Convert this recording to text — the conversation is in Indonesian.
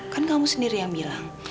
kan kamu sendiri yang bilang